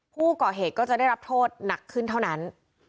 ผู้ก่อเหตุก็จะได้รับโทษหนักขึ้นเท่านั้น